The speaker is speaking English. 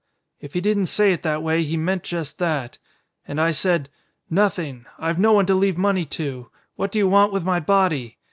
If he didn't say it that way he meant just that. And I said, 'Nothing. I've no one to leave money to. What do you want with my body?'